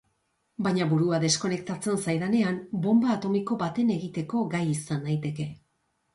Baina burua deskonektatzen zaidanean, bonba atomiko baten egiteko gai izan naiteke!